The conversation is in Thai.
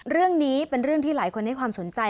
เรื่องนี้เป็นเรื่องที่หลายคนให้ความสนใจ